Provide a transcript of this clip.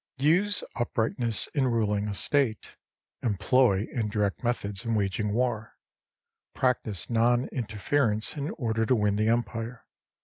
Use uprightness in ruling a State ; employ indirect methods in waging war ; practise non interference in order to win the Empire.